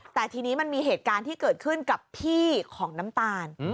แต่ทีนี้มันมีเหตุการณ์ที่เกิดขึ้นกับพี่ของน้ำตาล